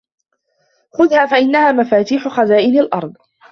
خُذْهَا فَإِنَّهَا مَفَاتِيحُ خَزَائِنِ الْأَرْضِ